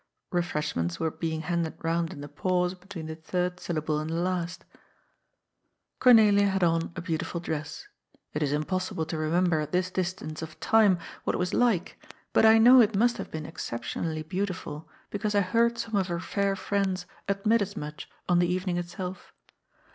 Sefreshments were be ing handed round in the pause between the third syllable and the last. 808 GOD'S FOOL, Cornelia had on a beantifal dress. It is impossible to remember, at this distance of time, what it was like, but I know it must have been exceptionally beantifal, because I heard some of her fair friends admit as much on the even ing itself.